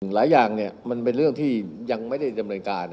หลายอย่างมันเป็นเรื่องที่ยังไม่ได้ดำเนินการ